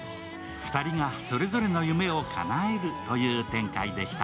２人がそれぞれの夢をかなえるという展開でした。